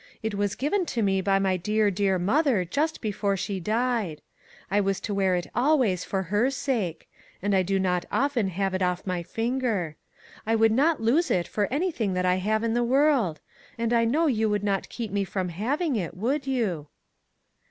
It was given to me by my dear, dear mother just before she died. I was to wear it always for her sake ; and 1 do 103 MAG AND MARGARET not often have it off my finger. I would not lose it for anything that I have in the world; and I know you would not keep me from hav ing it, would you